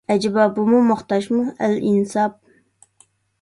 ئەجەبا بۇمۇ ماختاشمۇ، ئەلئىنساپ!!!